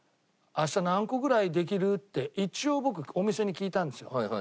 「明日何個ぐらいできる？」って一応僕お店に聞いたんですよ。